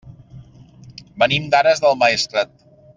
Venim d'Ares del Maestrat.